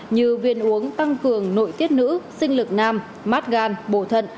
như viên uống tăng cường nội tiết nữ sinh lực nam mát gan bổ thận